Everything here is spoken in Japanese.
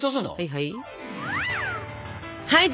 はい。